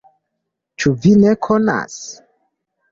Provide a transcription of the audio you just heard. Ĉu vi ne konas?